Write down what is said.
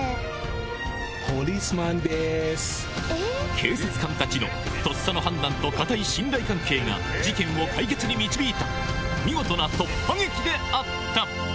警察官たちのとっさの判断と固い信頼関係が事件を解決に導いた見事な突破劇であった！